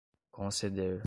conceder